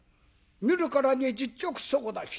見るからに実直そうな人。